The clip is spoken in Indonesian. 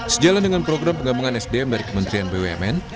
sejalan dengan program penggabungan sdm dari kementerian bumn